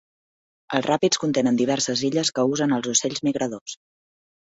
Els ràpids contenen diverses illes que usen els ocells migradors.